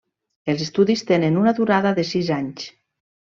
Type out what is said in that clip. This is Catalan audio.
Els estudis tenen una durada de sis anys.